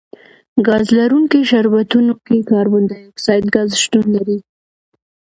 ګاز لرونکي شربتونو کې کاربن ډای اکسایډ ګاز شتون لري.